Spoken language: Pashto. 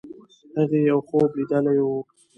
هغې یو خوب لیدلی وو.